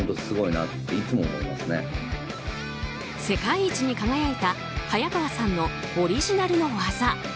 世界一に輝いた早川さんのオリジナルの技。